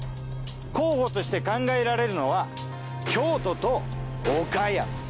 候補として考えられるのは京都と岡山。